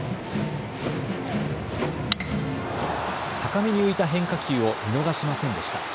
高めに浮いた変化球を見逃しませんでした。